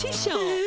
え？